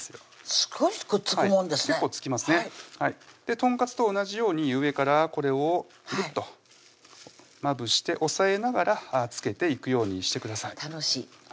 すごいくっつくもんですね結構付きますね豚かつと同じように上からこれをグッとまぶして押さえながら付けていくようにしてください